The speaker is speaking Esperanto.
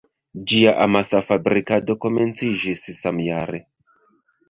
Ĝia amasa fabrikado komenciĝis samjare.